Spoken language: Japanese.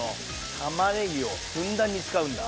玉ねぎをふんだんに使うんだ。